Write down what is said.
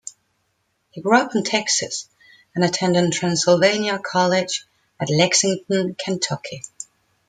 He grew up in Texas and attended Transylvania College at Lexington, Kentucky.